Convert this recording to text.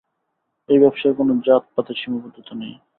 এই ব্যবসায়, কোনো জাত-পাতের সীমাবদ্ধতা নেই।